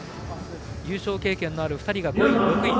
優勝経験のある２人が５位と６位。